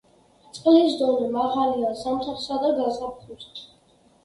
წყლის დონე მაღალია ზამთარსა და გაზაფხულზე.